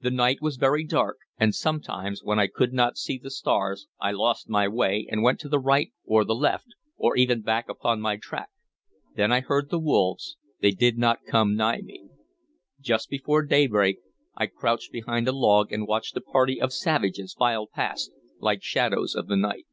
The night was very dark, and sometimes when I could not see the stars, I lost my way, and went to the right or the left, or even back upon my track. Though I heard the wolves, they did not come nigh me. Just before daybreak, I crouched behind a log, and watched a party of savages file past like shadows of the night.